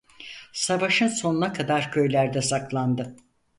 Savaşın sonuna kadar köylerde saklandı.